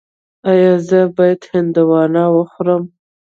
ایا زه باید هندواڼه وخورم؟